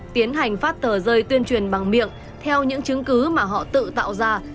tiến hành phát tờ rơi tuyên truyền bằng miệng theo những chứng cứ mà họ tự tạo ra